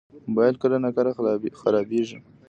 موبایل کله ناکله خرابېږي.